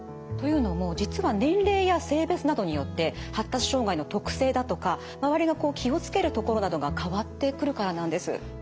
というのも実は年齢や性別などによって発達障害の特性だとか周りが気を付けるところなどが変わってくるからなんです。